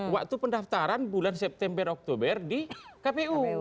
waktu pendaftaran bulan september oktober di kpu